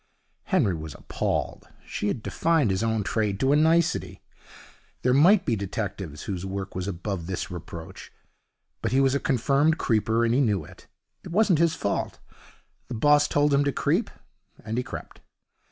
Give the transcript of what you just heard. Henry was appalled. She had defined his own trade to a nicety. There might be detectives whose work was above this reproach, but he was a confirmed creeper, and he knew it. It wasn't his fault. The boss told him to creep, and he crept.